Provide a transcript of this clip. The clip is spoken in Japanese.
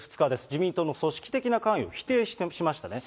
自民党の組織的な関与を否定しましたね。